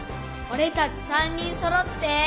オレたち３人そろって。